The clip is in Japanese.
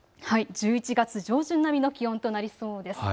１１月上旬並みの気温となりそうです。